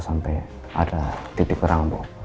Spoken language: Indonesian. sampai ada titik terang bu